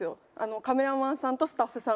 カメラマンさんとスタッフさんが。